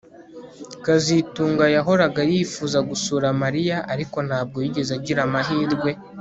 kazitunga yahoraga yifuza gusura Mariya ariko ntabwo yigeze agira amahirwe